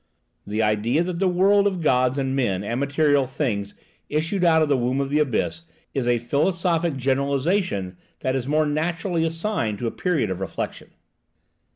The idea that the world of gods and men and material things issued out of the womb of the abyss is a philosophic generalization that is more naturally assigned to a period of reflection.